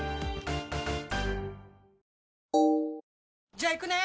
じゃあ行くね！